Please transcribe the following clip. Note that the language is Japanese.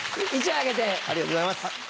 ありがとうございます。